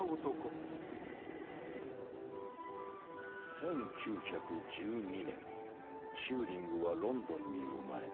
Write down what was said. １９１２年チューリングはロンドンに生まれた。